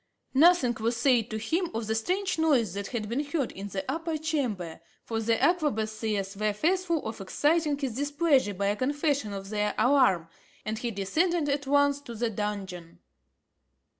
Nothing was said to him of the strange noise that had been heard in the upper chamber, for the arquebusiers were fearful of exciting his displeasure by a confession of their alarm, and he descended at once to the dungeon.